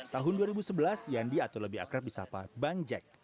tahun dua ribu sebelas yandi atau lebih akrab di sapa bang jack